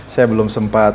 saya belum sempat